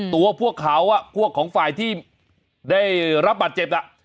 ตัวพวกเขาพวกของฝ่ายที่ได้รับบาดเจ็บน่ะ